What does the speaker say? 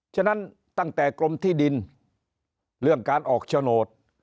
ฉะนั้นตั้งแต่กรมที่ดินเรื่องการออกโฉนด